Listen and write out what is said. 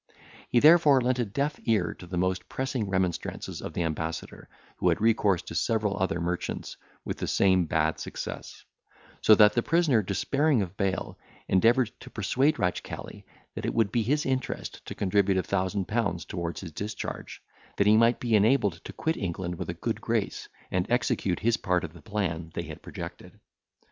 He therefore lent a deaf ear to the most pressing remonstrances of the ambassador, who had recourse to several other merchants, with the same bad success; so that the prisoner, despairing of bail, endeavoured to persuade Ratchcali, that it would be his interest to contribute a thousand pounds towards his discharge, that he might be enabled to quit England with a good grace, and execute his part of the plan they had projected.